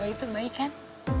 baik itu baik kan